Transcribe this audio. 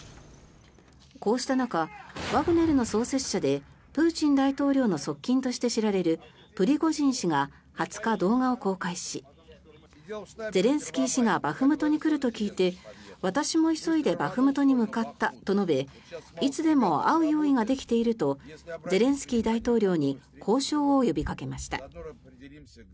こうした中、ワグネルの創設者でプーチン大統領の側近として知られるプリゴジン氏が２０日、動画を公開しゼレンスキー氏がバフムトに来ると聞いて私も急いでバフムトに向かったと述べいつでも会う用意ができているとゼレンスキー大統領に交渉を呼びかけました。